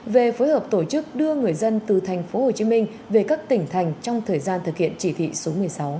về phối hợp tổ chức đưa người dân từ tp hcm về các tỉnh thành trong thời gian thực hiện chỉ thị số một mươi sáu